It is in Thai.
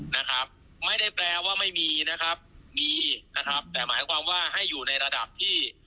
นะครับไม่ได้แปลว่าไม่มีนะครับมีนะครับแต่หมายความว่าให้อยู่ในระดับที่